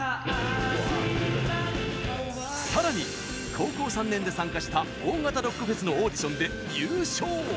さらに、高校３年で参加した大型ロックフェスのオーディションで優勝！